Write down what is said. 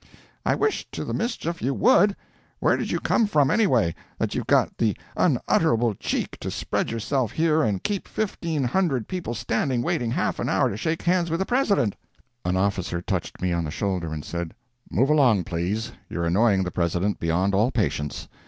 "I wish to the mischief you would! Where did you come from anyway, that you've got the unutterable cheek to spread yourself here and keep fifteen hundred people standing waiting half an hour to shake hands with the President?" An officer touched me on the shoulder and said: "Move along, please; you're annoying the President beyond all patience.